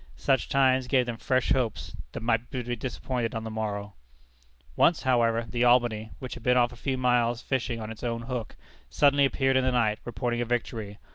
Such times gave them fresh hopes, that might be disappointed on the morrow. Once, however, the Albany, which had been off a few miles fishing on its own hook, suddenly appeared in the night, reporting a victory.